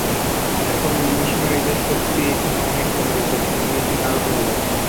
এখন মিশনরীদের শক্তি এখানে অনেক কমে গেছে এবং দিন দিন আরও কমে যাচ্ছে।